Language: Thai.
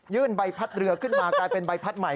ใบพัดเรือขึ้นมากลายเป็นใบพัดใหม่